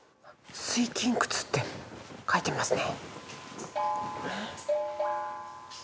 「水琴窟」って書いてますね。